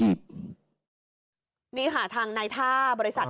นี่ค่ะทางนายท่า